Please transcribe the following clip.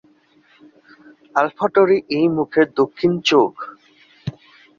আলফা-টরি এই মুখের দক্ষিণ চোখ।